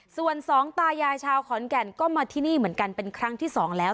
ส่วนสองตายายชาวขอนแก่นก็มาที่นี่เหมือนกันเป็นครั้งที่สองแล้ว